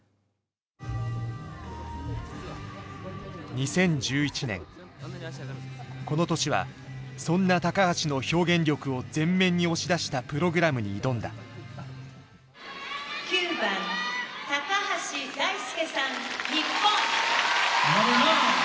２０１１年この年はそんな橋の表現力を前面に押し出したプログラムに挑んだ「９番橋大輔さん日本」。